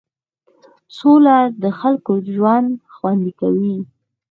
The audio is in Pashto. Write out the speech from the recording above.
سوله د خلکو ژوند خوندي کوي.